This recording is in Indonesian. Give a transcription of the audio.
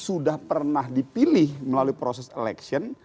sudah pernah dipilih melalui proses election